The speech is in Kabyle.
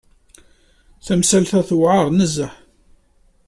Tamsalt-a tewɛer nezzeh.